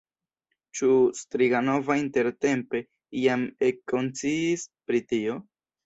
Ĉu Striganova intertempe jam ekkonsciis pri tio?